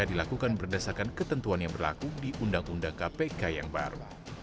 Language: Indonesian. dilakukan berdasarkan ketentuan yang berlaku di undang undang kpk yang baru